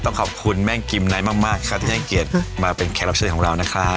ขอบคุณแม่งกิมไนท์มากครับที่ให้เกียรติมาเป็นแขกรับเชิญของเรานะครับ